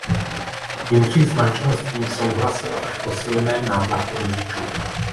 Jindřich s manželstvím souhlasil až po silném nátlaku rodičů.